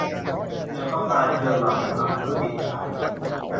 ฉันต้องการเจอหล่อนอีกครั้งเพื่อปิดฉาก